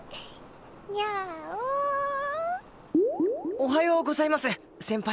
おはようございます先輩。